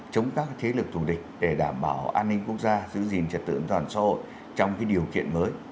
chống các thế lực thủ địch để đảm bảo an ninh quốc gia giữ gìn trật tượng toàn xã hội trong điều kiện mới